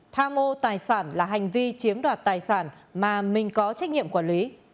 tham mô tài sản là hành vi chiếm đoạt tài sản mà mình có trách nhiệm quản lý